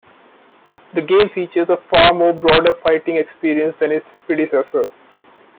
The game features a far broader fighting experience than its predecessor.